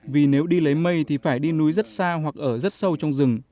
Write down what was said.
vì nếu đi lấy mây thì phải đi núi rất xa hoặc ở rất sâu trong rừng